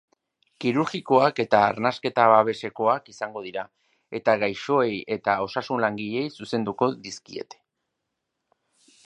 Kirurgikoak eta arnasketa-babesekoak izango dira, eta gaixoei eta osasun-langileei zuzenduko dizkiete.